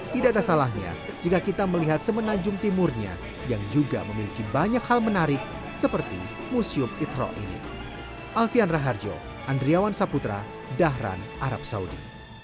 tidak ada salahnya jika kita melihat semenanjung timurnya yang juga memiliki banyak hal menarik seperti museum ithro ini